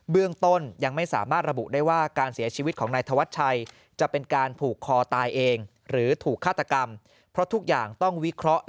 เรื่องต้นยังไม่สามารถระบุได้ว่าการเสียชีวิตของนายธวัชชัยจะเป็นการผูกคอตายเองหรือถูกฆาตกรรมเพราะทุกอย่างต้องวิเคราะห์